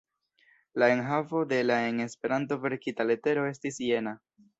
La enhavo de la en Esperanto verkita letero estis jena: